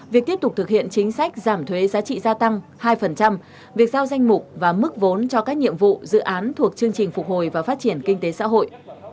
việc tiếp tục thực hiện chính sách giảm thuế giá trị gia tăng hai việc giao danh mục và mức vốn cho các nhiệm vụ dự án thuộc chương trình phục hồi và phát triển kinh tế xã hội